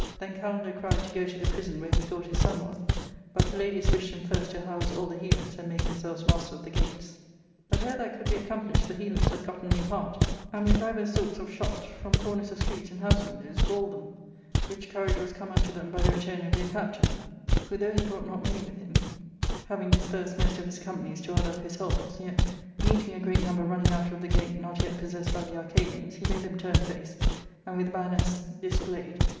Then Kalander cried to go to the prison where he thought his son was ; but Palladius wished him first to house all the Helots, and make themselves master of the gates. But ere that could be accomplished the Helots had gotten new heart, and, with divers sorts of shot, from corners of streets and house windows, galled them ; which courage^iacas come unto them by the return of their captain, wHo, though he brought not many with him, having dispersed most of his companies to other of his holds, yet, meeting a great number running out of the gate, not yet possessed by the Arcadians, he made them turn face, and, with banners displayed, his * IVard ^gasLrd of soldiers.